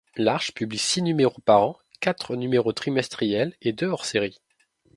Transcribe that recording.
L'Arche publie six numéros par an, quatre numéros trimestriels et deux hors-séries.